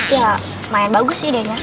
ya mayan bagus idenya